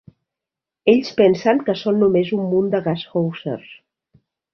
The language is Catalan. Ells pensen que som només un munt de gashousers.